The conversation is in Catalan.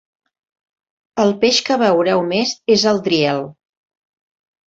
El peix que veureu més és el "Driel".